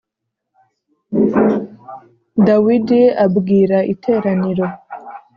Dawidi abwira iteraniro